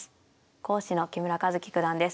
講師の木村一基九段です。